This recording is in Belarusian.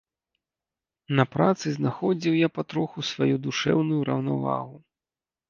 На працы знаходзіў я патроху сваю душэўную раўнавагу.